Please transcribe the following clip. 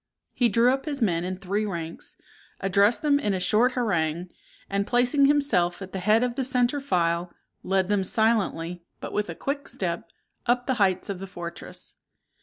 He drew up his men in three ranks, addressed them in a short harangue, and, placing himself at the head of the centre file, led them silently, but with a quick step, up the heights of the fortress.